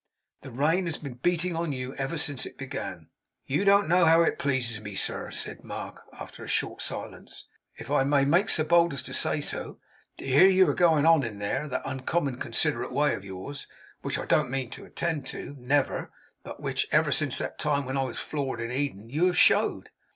The rain has been beating on you ever since it began.' 'You don't know how it pleases me, sir,' said Mark, after a short silence, 'if I may make so bold as say so, to hear you a going on in that there uncommon considerate way of yours; which I don't mean to attend to, never, but which, ever since that time when I was floored in Eden, you have showed.